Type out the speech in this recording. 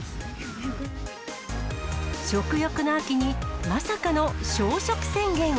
食欲の秋にまさかの小食宣言。